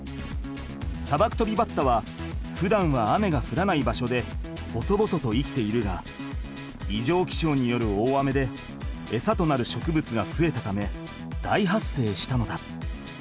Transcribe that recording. サバクトビバッタはふだんは雨がふらない場所で細々と生きているがいじょうきしょうによる大雨でエサとなる植物がふえたため大発生したのだ。